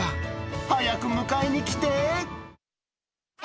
早く迎えに来て。